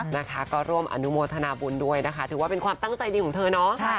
นะคะก็ร่วมอนุโมทนาบุญด้วยนะคะถือว่าเป็นความตั้งใจดีของเธอเนาะ